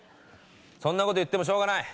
そんなこと言ってもしょうがない。